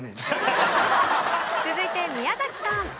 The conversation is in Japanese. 続いて宮崎さん。